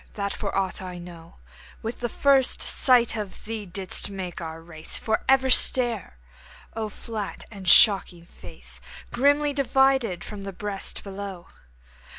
that for aught I know, With the first sight of thee didst make our race For ever stare! O flat and shocking face, Grimly divided from the breast below!